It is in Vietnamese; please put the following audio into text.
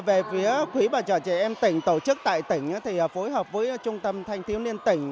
về phía quý bà trợ trẻ em tỉnh tổ chức tại tỉnh thì phối hợp với trung tâm thanh tiếu niên tỉnh